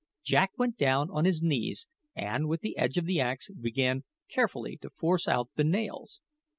Jack went down on his knees, and with the edge of the axe began carefully to force out the nails.